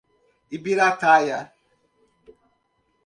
Ibirataia